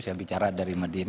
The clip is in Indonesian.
saya bicara dari medina